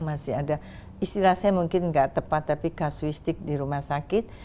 masih ada istilah saya mungkin nggak tepat tapi kasuistik di rumah sakit